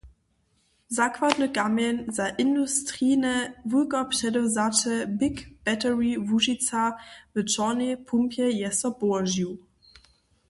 Zakładny kamjeń za industrijne wulkopředewzaće BigBattery Łužica w Čornej Pumpje je so połožił.